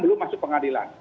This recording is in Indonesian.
belum masuk pengadilan